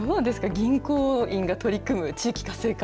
銀行員が取り組む地域活性化。